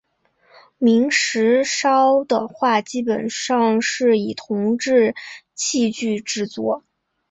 明石烧的话基本上是以铜制器具制作。